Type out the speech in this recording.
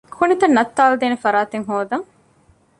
ކުނިތައް ނައްތާލައިދޭނެ ފަރާތެއް ހޯދަން